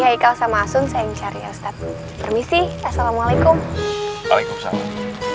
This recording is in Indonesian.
haikal sama asun sayang syariah ustadz permisi assalamualaikum waalaikumsalam